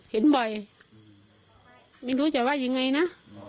เห็นบ่อยไม่รู้จะว่ายังไงนะ